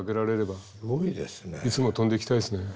いつも飛んでいきたいですね。